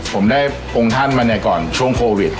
ผมได้องค์ท่านมาเนี่ยก่อนช่วงโควิด